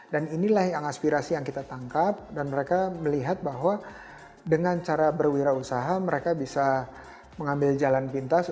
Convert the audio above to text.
dan inilah yang aspirasi yang kita tangkap dan mereka melihat bahwa dengan cara berwirausaha mereka bisa mengambil jalan pintas